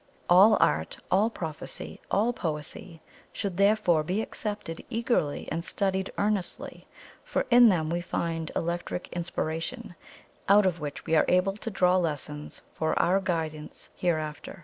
All art, all prophecy, all poesy, should therefore be accepted eagerly and studied earnestly, for in them we find ELECTRIC INSPIRATION out of which we are able to draw lessons for our guidance hereafter.